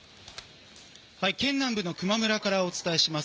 県南部の球磨村からお伝えします。